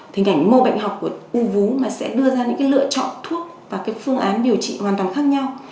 thì ngành mô bệnh học của u vú sẽ đưa ra những cái lựa chọn thuốc và cái phương án điều trị hoàn toàn khác nhau